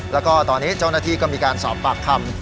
แล้วก็ตอนนี้เจ้าหน้าที่ก็มีการสอบปากคำ